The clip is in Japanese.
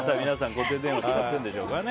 固定電話使ってるんですかね。